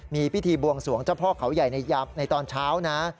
มีพิธีบวงสวงเจ้าพ่อเขาใหญ่ในตอนเช้านะ